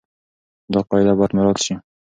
دا قاعده بايد مراعت شي.